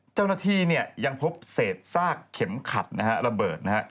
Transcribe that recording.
เจ้าหน้าที่ยังพบเศษทรากเข็มขัดระเบิดนะครับ